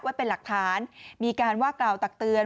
เป็นหลักฐานมีการว่ากล่าวตักเตือน